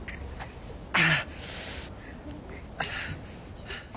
ああ。